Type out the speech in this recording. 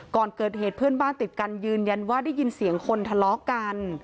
ก่อนเกิดเหตุเพื่อนบ้านติดกันยืนยันว่าได้ยินเสียงคนทะเลาะกัน